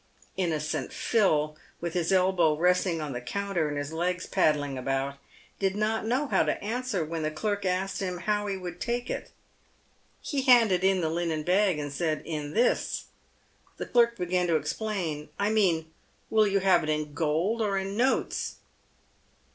Innocent Phil, with his elbow resting on the counter, and his legs paddling about, did not know how to answer when the clerk asked him how he would take it. He handed in the linen bag and said, " In this." The clerk began to explain, " I mean, will you have it in gold, or in notes